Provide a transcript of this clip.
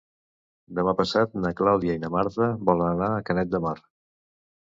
Demà passat na Clàudia i na Marta volen anar a Canet de Mar.